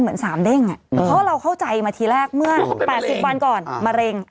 เพราะว่าเราเข้าใจมาทีแรกเมื่อ๘๐วันก่อนมะเร็ง